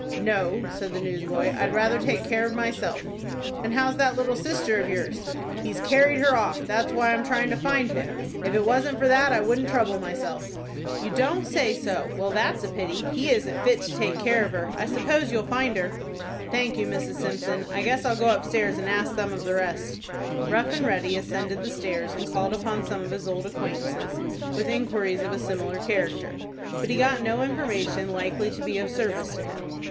"No," said the newsboy; "I'd rather take care of myself." "And how's that little sister of yours?" "He's carried her off. That's why I'm tryin' to find him. If it wasn't for that I wouldn't trouble myself." "You don't say so? Well, that's a pity. He isn't fit to take care of her. I hope you'll find her." "Thank you, Mrs. Simpson. I guess I'll go upstairs and ask some of the rest." Rough and Ready ascended the stairs, and called upon some of his old acquaintances, with inquiries of a similar character. But he got no information likely to be of service to him.